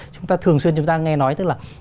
chúng ta thường xuyên nghe nói